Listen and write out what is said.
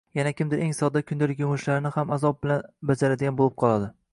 yana kimdir eng sodda kundalik yumushlarini ham azob bilan bajaradigan bo’lib qoladi